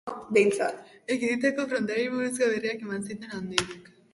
Ekialdeko fronteari buruzko berriak eman zituen handik.